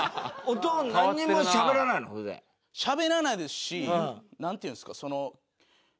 しゃべらないですしなんていうんですかその。